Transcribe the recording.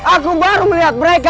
aku baru melihat mereka